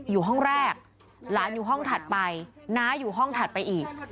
อยู่ห้องแรกหลานอยู่ห้องถัดไปน้าอยู่ห้องถัดไปอีก